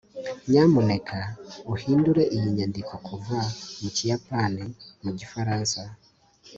nyamuneka uhindure iyi nyandiko kuva mu kiyapani mu gifaransa